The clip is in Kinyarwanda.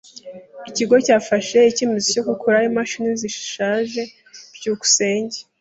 Ikigo cyafashe icyemezo cyo gukuraho imashini zishaje. byukusenge